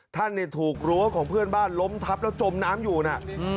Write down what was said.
ท่านถูกรั้วของเพื่อนบ้านล้มทับแล้วจมน้ำอยู่นะ